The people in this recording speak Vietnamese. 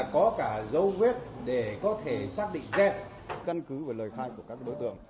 căn cứ với lời khai của các đối tượng